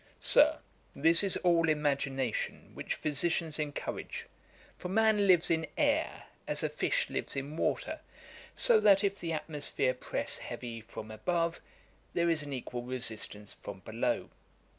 'Sir, this is all imagination, which physicians encourage; for man lives in air, as a fish lives in water; so that if the atmosphere press heavy from above, there is an equal resistance from below.